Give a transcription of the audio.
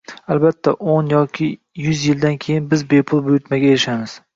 Albatta, o'n yoki yuz yildan keyin biz bepul buyurtmaga erishamiz